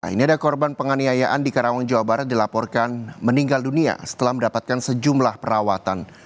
ini ada korban penganiayaan di karawang jawa barat dilaporkan meninggal dunia setelah mendapatkan sejumlah perawatan